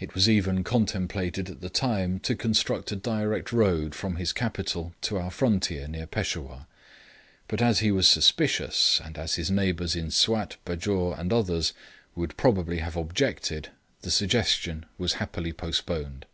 It was even contemplated at the time to construct a direct road from his capital to our frontier near Peshawur; but as he was suspicious, and as his neighbours in Swat, Bajour, and others would probably have objected, the suggestion was happily postponed.